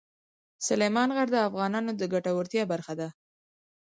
سلیمان غر د افغانانو د ګټورتیا برخه ده.